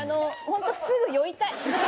ホントすぐ酔いたい私も。